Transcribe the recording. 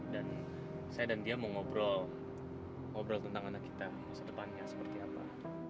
dan saya dan dia mau ngobrol ngobrol tentang anak kita masa depannya seperti apa